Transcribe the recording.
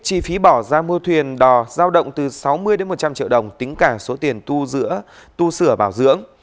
chi phí bỏ ra mua thuyền đò giao động từ sáu mươi một trăm linh triệu đồng tính cả số tiền tu giữa tu sửa bảo dưỡng